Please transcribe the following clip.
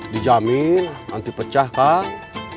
dijamin anti pecah kang